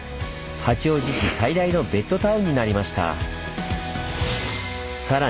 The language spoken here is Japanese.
八王子市最大のベッドタウンになりました。